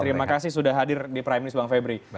terima kasih sudah hadir di prime news bang febri